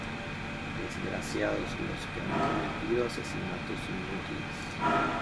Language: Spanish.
Desgraciados los que han cometido asesinatos inútiles.